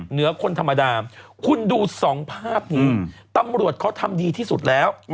เหนือคนธรรมดาคุณดูสองภาพนี้ตำรวจเขาทำดีที่สุดแล้ว